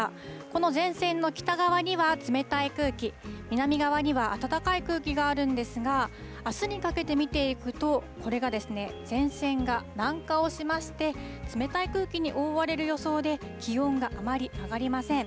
この前線の北側には、冷たい空気、南側には暖かい空気があるんですが、あすにかけて見ていくと、これが前線が南下をしまして、冷たい空気に覆われる予想で、気温があまり上がりません。